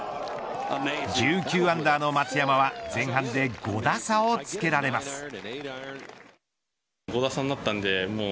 １９アンダーの松山は前半で５打差をつけられます。